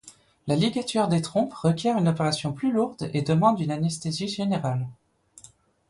La ligature des trompes requiert une opération plus lourde et demande une anesthésie générale.